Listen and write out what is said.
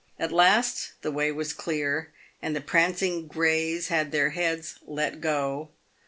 At last the way was clear, and the prancing greys had their heads " let go."